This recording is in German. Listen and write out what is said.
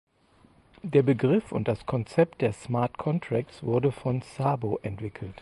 Der Begriff und das Konzept der „Smart Contracts“ wurde von Szabo entwickelt.